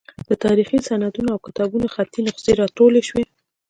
د تاریخي سندونو او کتابونو خطي نسخې راټولې شوې.